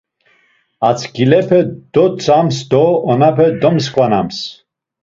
Asǩilepe dotzams do onape domsǩvanams.